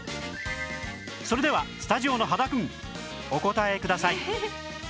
それではスタジオの羽田くんお答えください